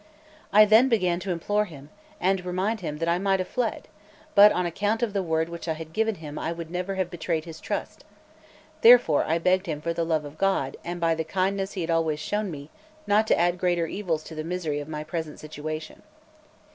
I then began to implore him, and remind him that I might have fled, but that on account of the word which I had given him I would never have betrayed his trust: therefore I begged him for the love of God, and by the kindness he had always shown me, not to add greater evils to the misery of my present situation.